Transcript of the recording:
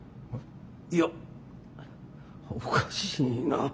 いやおかしいな。